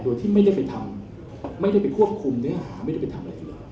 โดยที่ไม่ได้ไปทำไม่ได้ไปควบคุมเนื้อหาไม่ได้ไปทำอะไรเลย